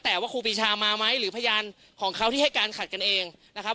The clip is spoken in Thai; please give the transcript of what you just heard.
แต่ว่าครูปีชามาไหมหรือพยานของเขาที่ให้การขัดกันเองนะครับ